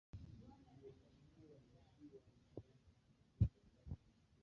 Safari ya kurudi ilikuwa ngumu ilichukua muda mrefu kutokana na mwelekeo wa upepo